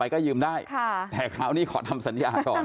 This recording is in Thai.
ถ้าให้ยืมแบบไม่ได้ทำเลยคงไม่ให้ยืม